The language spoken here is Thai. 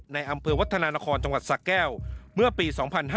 ในอำเภอวัฒนานครจังหวัดสะแก้วเมื่อปี๒๕๕๙